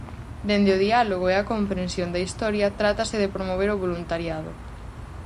Dende o diálogo e a comprensión da historia, trátase de promover o voluntariado.